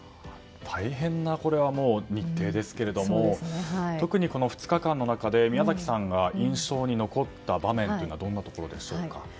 大変な日程ですけれども特に２日間の中で宮崎さんが印象に残った場面はどんなところでしょうか。